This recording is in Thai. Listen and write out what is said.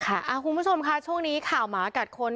คุณผู้ชมค่ะช่วงนี้ข่าวหมากัดคน